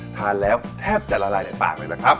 ทานแล้วแทบจะละลายในปากเลยล่ะครับ